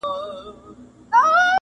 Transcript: خیال کوم چې را به شي پیدا به شي آشنا